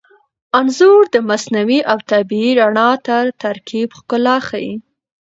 انځور د مصنوعي او طبیعي رڼا تر ترکیب ښکلا ښيي.